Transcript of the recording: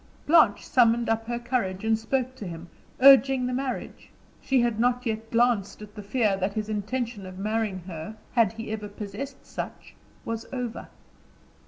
Blanche summoned up her courage and spoke to him, urging the marriage; she had not yet glanced at the fear that his intention of marrying her, had he ever possessed such, was over.